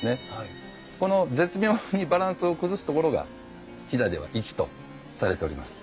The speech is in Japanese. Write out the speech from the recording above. この絶妙にバランスを崩すところが飛騨では粋とされております。